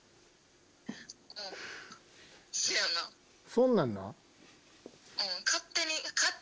そんなんな。